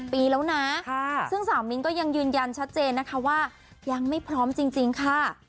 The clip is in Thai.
ปีแล้วนะซึ่งสาวมิ้นก็ยังยืนยันชัดเจนนะคะว่ายังไม่พร้อมจริงค่ะ